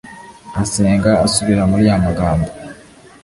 asenga asubira muri ya magambo